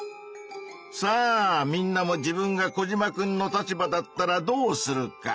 さあみんなも自分がコジマくんの立場だったらどうするか？